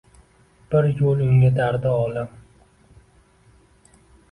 Bir yo’l unga dardi olam